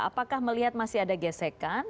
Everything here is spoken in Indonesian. apakah melihat masih ada gesekan